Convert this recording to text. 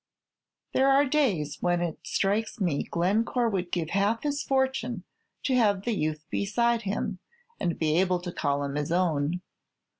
There are days when it strikes me Glencore would give half his fortune to have the youth beside him, and be able to call him his own.